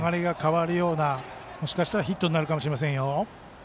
もしかしたらヒットになるかもしれませんよ。